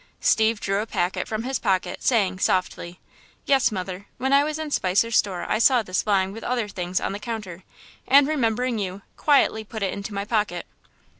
Steve drew a packet from his pocket, saying, softly: "Yes, mother, when I was in Spicer's store I saw this lying with other things on the counter, and, remembering you, quietly put it into my pocket."